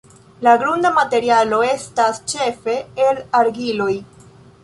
La grunda materialo estas ĉefe el argiloj.